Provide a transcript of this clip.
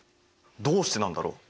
どうしてなんだろう？